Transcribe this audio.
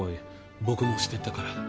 僕もしてたから。